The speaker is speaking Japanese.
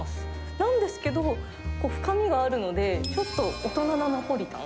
なんですけど、深みがあるので、ちょっと大人なナポリタン。